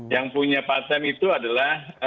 yang punya patent itu adalah